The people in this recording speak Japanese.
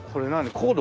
コード？